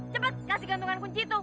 cepat kasih gantungan kunci tuh